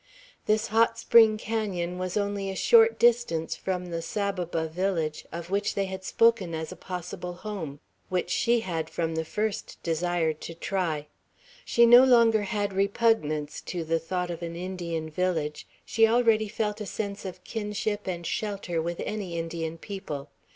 This hot spring canon was only a short distance from the Saboba village, of which they had spoken as a possible home; which she had from the first desired to try. She no longer had repugnance to the thought of an Indian village; she already felt a sense of kinship and shelter with any Indian people.